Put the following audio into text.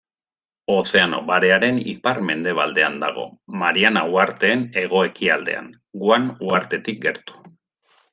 Ozeano Barearen ipar-mendebaldean dago, Mariana uharteen hego-ekialdean, Guam uhartetik gertu.